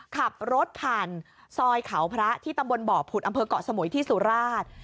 ขับรถผ่านซอยเขาพระที่ตำบลบ่อผุดอำเภอกเกาะสมุยที่สุราช